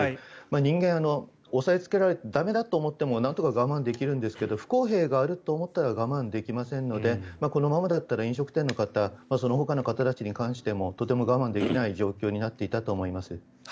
人間、押さえつけられて駄目だと思ってもなんとか我慢できるんですが不公平があると思ったら我慢できませんのでこのままだったら飲食店の方そのほかの方たちに関してもとても我慢できない状態になっていたと思います。